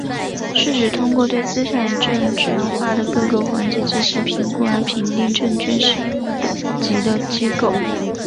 是指通过对资产证券化的各个环节进行评估而评定证券信用等级的机构。